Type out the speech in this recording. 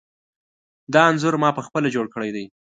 دا انځور ما پخپله جوړ کړی دی.